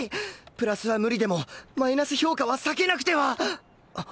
プラスは無理でもマイナス評価は避けなくては